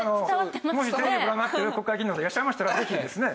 もしテレビご覧になってる国会議員の方いらっしゃいましたらぜひですね